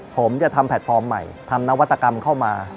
ผมจะทำแพลตฟอร์มใหม่ทำนวัตกรรมเข้ามา